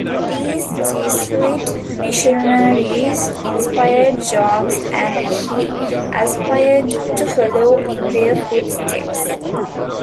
These Jesuit missionaries inspired Jogues, and he aspired to follow in their footsteps.